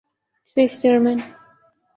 Swiss German